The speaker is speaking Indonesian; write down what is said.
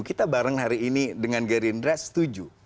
kita bareng hari ini dengan gerindra setuju